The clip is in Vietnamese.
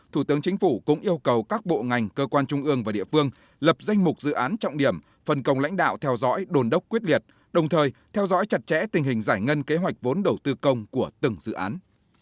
thủ tướng chính phủ cũng yêu cầu các bộ ngành cơ quan trung ương và địa phương lập danh mục dự án trọng điểm phần công lãnh đạo theo dõi đồn đốc quyết liệt đồng thời theo dõi chặt chẽ tình hình giải ngân kế hoạch vốn đầu tư công của từng dự án